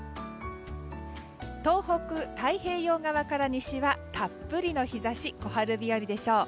東北、太平洋側から西はたっぷりの日差し小春日和でしょう。